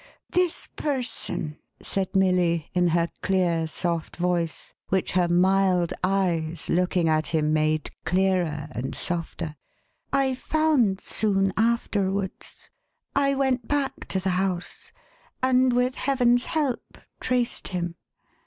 "This person," said Milly, in her clear, soft voice, which her mild eyes, looking at him, made clearer and softer, " I found soon afterwards. I went back to the house, and, with Heaven's help, traced him.